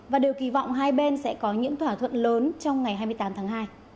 và đều kỳ vọng hai bên sẽ có những thỏa thuận lớn trong ngày hai mươi tám tháng hai